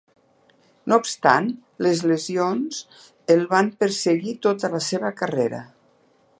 No obstant, les lesions el van perseguir tota la seva carrera.